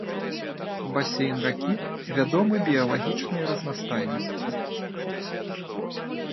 Басейн ракі вядомы біялагічнай разнастайнасцю.